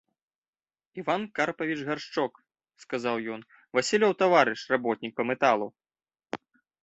— Іван Карпавіч Гаршчок, — сказаў ён, — Васілёў таварыш, работнік па мэталу.